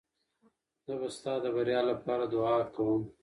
زه به ستا د بریا لپاره دعا کوم.